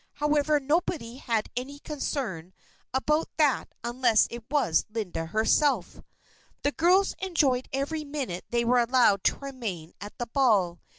However, nobody had any concern about that unless it was Linda herself. The girls enjoyed every minute they were allowed to remain at the ball.